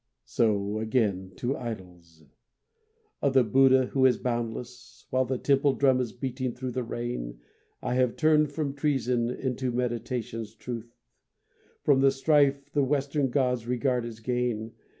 So again to idols Of the Buddha who is boundless, While the temple drum is beating thro the rain, I have turned from treason Into Meditation's truth, From the strife the Western god regards as gain.